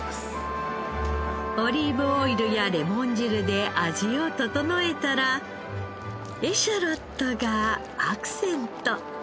オリーブオイルやレモン汁で味を調えたらエシャロットがアクセント。